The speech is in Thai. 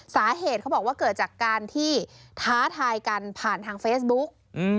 สาเหตุเขาบอกว่าเกิดจากการที่ท้าทายกันผ่านทางเฟซบุ๊ก